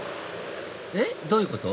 えっ？どういうこと？